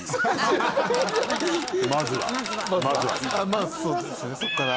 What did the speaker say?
まぁそうですよねそこから。